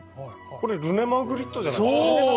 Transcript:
これルネ・マグリットじゃないですか？